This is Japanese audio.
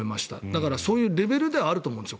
だから、そういうレベルではあると思うんです。